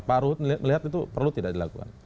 pak ruhut melihat itu perlu tidak dilakukan